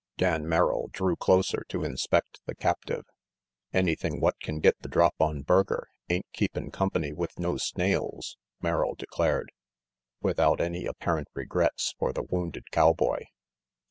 Dan Merrill drew closer to inspect the captive. "Anything what can get the drop on Berger ain't keepin' company with no snails," Merrill declared, without any apparent regrets for the wounded cowboy.